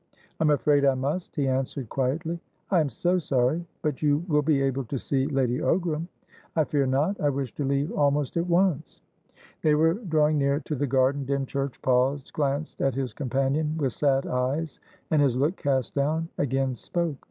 "I'm afraid I must," he answered quietly. "I am so sorry. But you will be able to see Lady Ogram?" "I fear not. I wish to leave almost at once." They were drawing near to the garden. Dymchurch paused, glanced at his companion with sad eyes, and, his look cast down, again spoke.